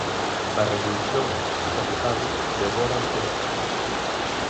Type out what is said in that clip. A revolución, xa se sabe, devora aos seus fillos.